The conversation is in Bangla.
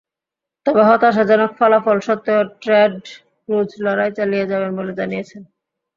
তবে হতাশাজনক ফলাফল সত্ত্বেও টেড ক্রুজ লড়াই চালিয়ে যাবেন বলে জানিয়েছেন।